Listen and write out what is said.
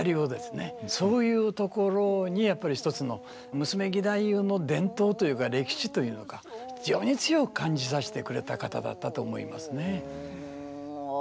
そういうところにやっぱり一つの娘義太夫の伝統というか歴史というのか非常に強く感じさせてくれた方だったと思いますね。